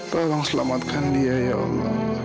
tolong selamatkan dia ya allah